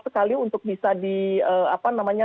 sekali untuk bisa di apa namanya